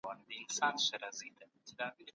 د افغانانو ټولنې ته یې د برابرو حقونو قانون وړاندې کړ.